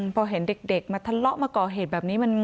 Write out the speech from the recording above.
พอเห็นเด็กมาทะเลาะมาก่อเหตุแบบนี้